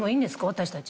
私たち。